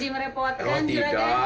jadi merepotkan juragan